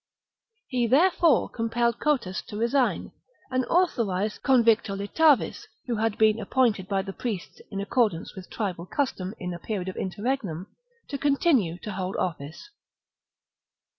He therefore compelled Cotus to resign, and authorized Convictolitavis, who had been ap pointed by the priests, in accordance with tribal custom in a period of interregnum,^ to continue to hold office.